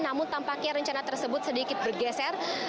namun tampaknya rencana tersebut sedikit bergeser